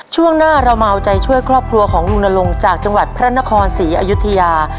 ช่วงหน้าเรามาเอาใจช่วยครอบครัวของลุงนลงจากจังหวัดพระนครศรีอยุธยา